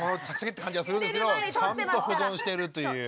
ッて感じがするんですけどちゃんと保存してるという。